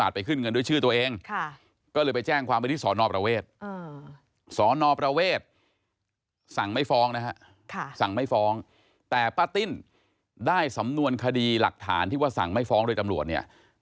แต่เขารักษณะทำเป็น